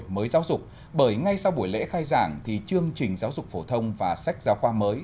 mới giáo dục bởi ngay sau buổi lễ khai giảng thì chương trình giáo dục phổ thông và sách giáo khoa mới